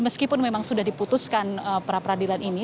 meskipun memang sudah diputuskan pra peradilan ini